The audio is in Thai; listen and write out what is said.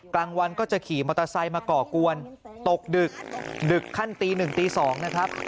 กลางวันก็จะขี่มอเตอร์ไซค์มาก่อกวนตกดึกดึกขั้นตีหนึ่งตี๒นะครับ